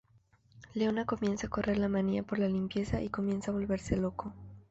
Leona comienza a correr la manía por la limpieza y comienza a volverse loco.